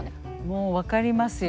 もう分かりますよ。